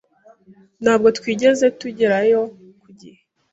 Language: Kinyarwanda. Ntabwo twigeze tugerayo ku gihe.